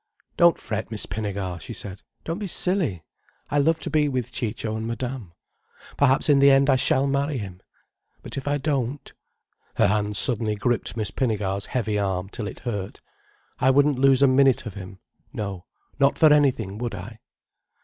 "Don't fret, Miss Pinnegar," she said. "Don't be silly. I love to be with Ciccio and Madame. Perhaps in the end I shall marry him. But if I don't—" her hand suddenly gripped Miss Pinnegar's heavy arm till it hurt—"I wouldn't lose a minute of him, no, not for anything would I."